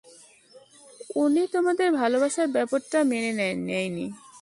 উনি তোমাদের ভালোবাসার ব্যাপারটা মেনে নেয়নি?